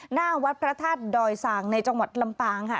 หน้าวัดพระธาตุดอยสางในจังหวัดลำปางค่ะ